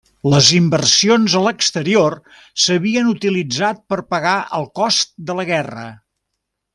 Les inversions a l'exterior s'havien utilitzat per pagar el cost de la guerra.